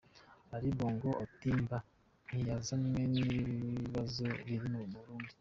Ali Bongo Ondimba "ntiyazanywe n'ibibazo biri mu Burundi".